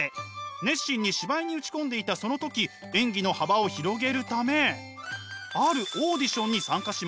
熱心に芝居に打ち込んでいたその時演技の幅を広げるためあるオーディションに参加します。